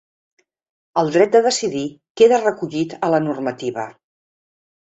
El dret de decidir queda recollit a la normativa